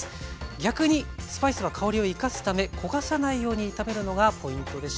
逆にスパイスは香りを生かすため焦がさないように炒めるのがポイントでした。